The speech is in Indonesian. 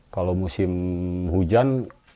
kalau musim hujan